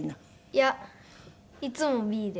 いやいつもＢで。